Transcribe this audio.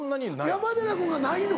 山寺君がないの？